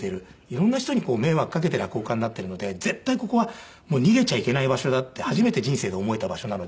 色んな人に迷惑かけて落語家になっているので絶対ここは逃げちゃいけない場所だって初めて人生で思えた場所なので。